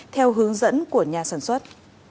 theo hướng dẫn của nhà sản xuất